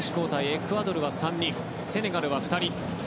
エクアドルは３人セネガルは２人。